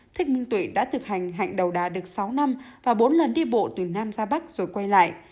thích minh tụy đã thực hành hạnh đầu đá được sáu năm và bốn lần đi bộ từ nam ra bắc rồi quay lại